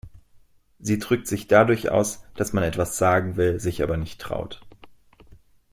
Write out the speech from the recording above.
Sie drückt sich dadurch aus, dass man etwas sagen will, sich aber nicht traut.